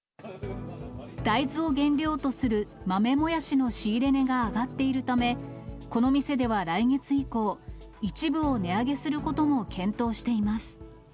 大豆を原料とする豆もやしの仕入れ値が上がっているため、この店では来月以降、一部を値上げすることも検討しています。